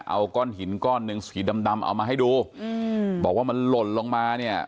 เอาก้อนหินก้อนหนึ่งสีดำดำเอามาให้ดูอืมบอกว่ามันหล่นลงมาเนี่ย